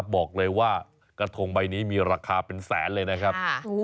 บอกเลยว่ากระทงใบนี้มีราคาเป็นแสนเลยนะครับ